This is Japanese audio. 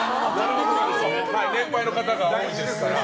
年配の方が多いですから。